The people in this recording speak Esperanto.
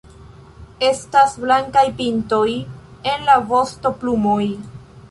Estas blankaj pintoj en la vostoplumoj.